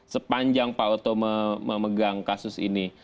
sepanjang pak oto memegang kasus ini